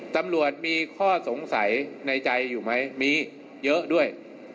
ตำรวจมีข้อสงสัยในใจอยู่ไหมมีเยอะด้วย